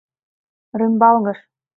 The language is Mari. Рӱмбалгыш...